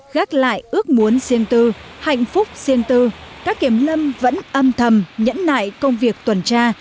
gác lại ước muốn siêng tư hạnh phúc siêng tư các kiểm lâm vẫn âm thầm nhẫn lại công việc tuần tra